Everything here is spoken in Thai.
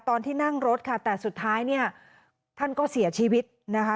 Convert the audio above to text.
ตอนที่นั่งรถค่ะแต่สุดท้ายเนี่ยท่านก็เสียชีวิตนะคะ